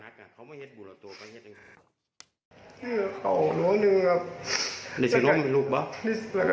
นี่ชื่อนมนุ่มหนึ่งลูกบ้า